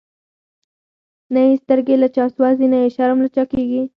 نه یی سترگی له چا سوځی، نه یی شرم له چا کیږی